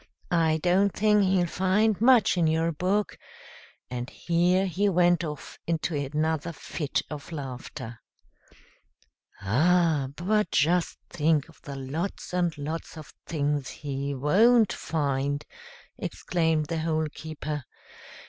I don't think he'll find much in your book;" and here he went off into another fit of laughter. "Ah! but just think of the lots and lots of things he won't find," exclaimed the Hole keeper.